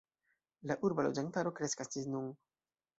La urba loĝantaro kreskas ĝis nun.